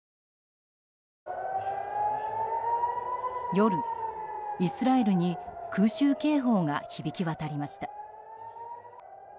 夜、イスラエルに空襲警報が響き渡りました。